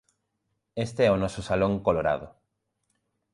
Este é o noso Salón Colorado.